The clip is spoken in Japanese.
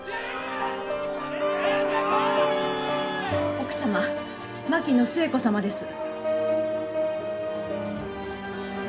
・奥様槙野寿恵子様です。